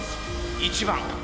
１番。